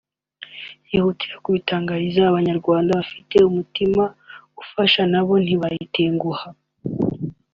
yihutira kubitangariza Abanyarwanda bafite umutima ufasha na bo ntibayitenguha